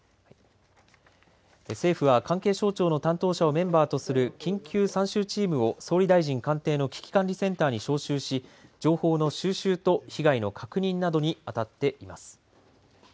政府は関係省庁の担当をメンバーとする緊急参集チームを総理大臣官邸の危機管理センターに招集し情報の収集と被害の確認などに当たっています。